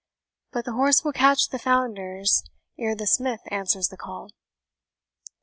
But the horse will catch the founders ere the smith answers the call."